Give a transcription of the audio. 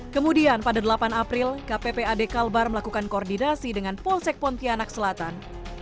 kemudian pada delapan april kppad kalbar melakukan koordinasi dengan polsek pontianak selatan